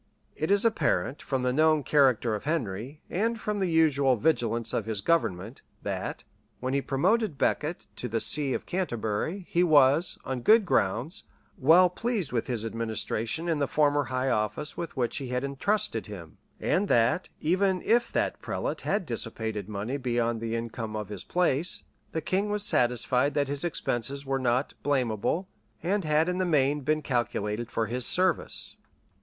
[] It is apparent, from the known character of Henry, and from the usual vigilance of his government, that, when he promoted Becket to the see of Canterbury, he was, on good grounds, well pleased with his administration in the former high office with which he had intrusted him; and that, even if that prelate had dissipated money beyond the income of his place, the king was satisfied that his expenses were not blamable, and had in the main been calculated for his service.